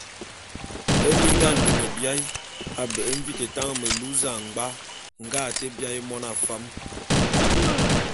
Minga a ndôme biaé a mbe’e mvin tañ melu zañbwa nge a te biaé mona fam.